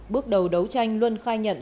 bước đầu đấu tranh luân khai nhận